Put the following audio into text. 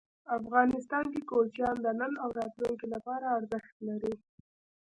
افغانستان کې کوچیان د نن او راتلونکي لپاره ارزښت لري.